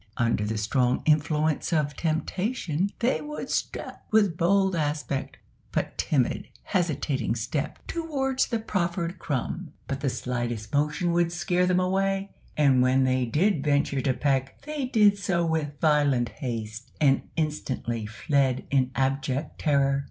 Under the strong influence of temptation they would strut with bold aspect, but timid, hesitating step, towards the proffered crumb, but the slightest motion would scare them away; and when they did venture to peck, they did so with violent haste, and instantly fled in abject terror.